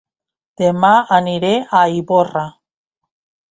Dema aniré a Ivorra